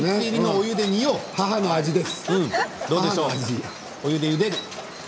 母の味です。